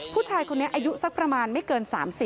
ผู้ชายคนนี้อายุสักประมาณไม่เกิน๓๐